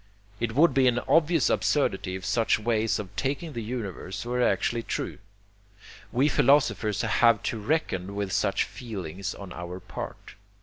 It would be an obvious absurdity if such ways of taking the universe were actually true. We philosophers have to reckon with such feelings on your part.